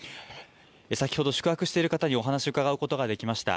先ほど宿泊している方にお話、伺うことができました。